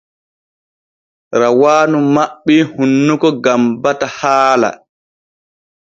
Rawaanu maɓɓii hunnuko gam bata haala.